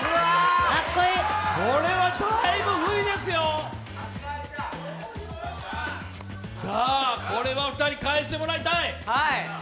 これはだいぶ不利ですよ、これは返してもらいたい。